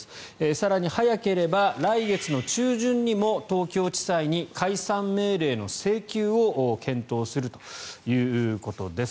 更に早ければ来月中旬にも東京地裁に解散命令の請求を検討するということです。